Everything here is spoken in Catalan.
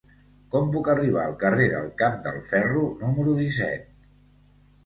Com puc arribar al carrer del Camp del Ferro número disset?